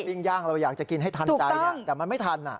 ปิ้งย่างเราอยากจะกินให้ทันใจเนี่ยแต่มันไม่ทันอะ